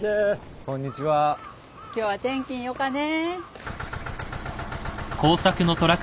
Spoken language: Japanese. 今日は天気んよかね。